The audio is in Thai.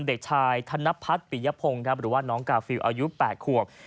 เด็กชายธนพัฒน์ปิยพงศ์หรือว่าน้องกาฟิลอายุ๘ขวบ